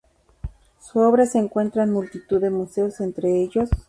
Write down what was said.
Su obra se encuentra en multitud de museos, entre ellosː